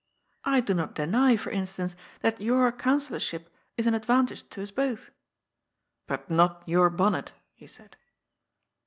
I do not deny, for instance, that your Councillorship is an advantage to us both." " But not your bonnet," he said.